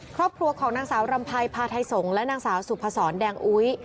ครอบครัวของนางสาวรำไพรพาไทยสงฆ์และนางสาวสุพศรแดงอุ๊ย